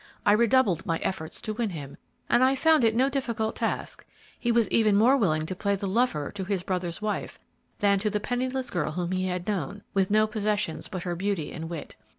I redoubled my efforts to win him, and I found it no difficult task; he was even more willing to play the lover to his brother's wife than to the penniless girl whom he had known, with no possessions but her beauty and wit.